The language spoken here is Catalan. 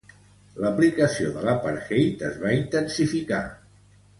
L'aplicació de l'apartheid es va intensificar.